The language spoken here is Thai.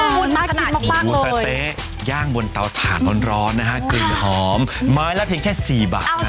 หมูสะเต้ย่างบนเตาถาดร้อนกลิ่นหอมมาละเพียงแค่๔บาท